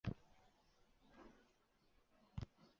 精彩且钜细靡遗的分享